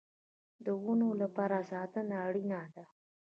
د ونو لپاره ساتنه اړین ده